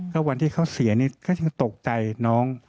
ก็วันที่เขาเสียนี่ก็ยังตกใจน้อง